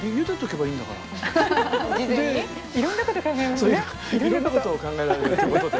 いろんなこと考えますね。